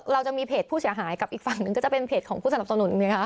เราจะมีเพจผู้เสียหายกับอีกฝั่งหนึ่งก็จะเป็นเพจของผู้สนับสนุนไงคะ